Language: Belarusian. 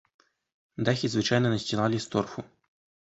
Дахі звычайна насцілалі з торфу.